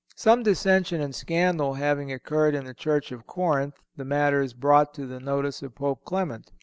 Some dissension and scandal having occurred in the church of Corinth, the matter is brought to the notice of Pope Clement.